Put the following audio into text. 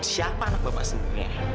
siapa anak bapak sendiri